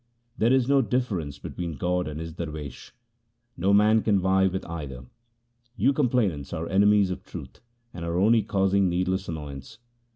There is no difference be tween God and His darwesh. No man can vie with either. You complainants are enemies of truth, and are only causing needless annoyance.